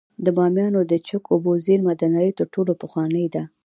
د بامیانو د چک اوبو زیرمه د نړۍ تر ټولو پخوانۍ ده